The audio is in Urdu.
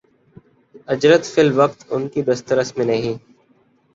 اجرت فی الوقت ان کی دسترس میں نہیں